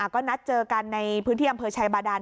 ก็นัดเจอกันในพื้นที่อำเภอชัยบาดาน